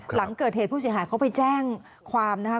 หลังเกิดเหตุผู้เสียหายเขาไปแจ้งความนะคะ